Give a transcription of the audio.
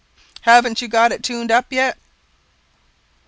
_ Hav'nt you got it tuned up yet?"